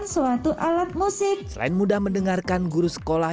selain mudah mendengarkan guru sekolah